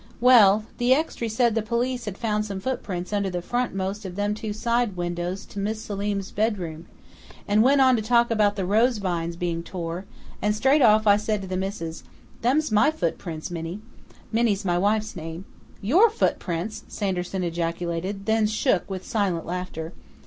"Well, the extry said the police had found some footprints under the frontmost of them two side windows to Mis' Selim's bedroom, and went on to talk about the rose vines being tore, and straight off I said to the missus, 'Them's my footprints, Minnie' Minnie's my wife's name " "Your footprints!" Sanderson ejaculated, then shook with silent laughter.